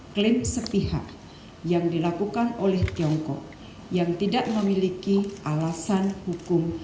klaim sepihak yang dilakukan oleh tiongkok yang tidak memiliki alasan hukum